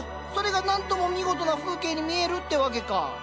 それが何とも見事な風景に見えるってわけか。